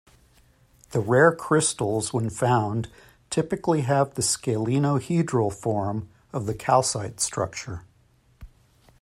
The rare crystals when found typically have the scalenohedral form of the calcite structure.